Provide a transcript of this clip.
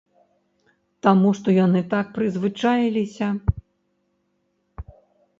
Таму што яны так прызвычаіліся.